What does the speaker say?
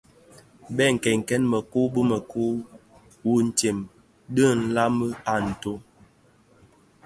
Bō kènkèn mëkun bi mëkun, wutsem dhi nlami a ntoo.